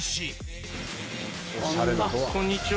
こんにちは。